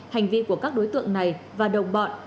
hành vi của các đối tượng này và đồng bọn